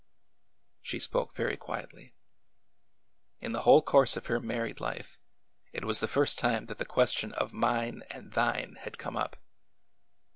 She spoke very quietly. In the whole course of her married life, it was the first time that the question of mine and thine had come up.